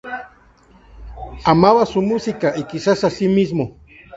Amaba su música, y quizás a sí mismo.